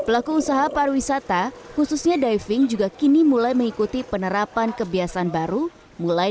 pelaku usaha pariwisata khususnya diving juga kini mulai mengikuti penerapan kebiasaan baru mulai